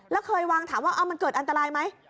แล้วเคยวางถามว่ามันเกิดอันตรายไหม